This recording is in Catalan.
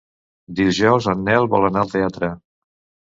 Dijous en Nel vol anar al teatre.